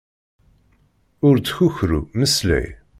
Ur ttkukru. Mmeslay.